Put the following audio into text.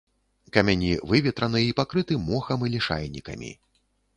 Камяні выветраны і пакрыты мохам і лішайнікамі.